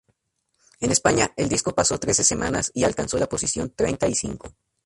En España, el disco pasó trece semanas y alcanzó la posición treinta y cinco.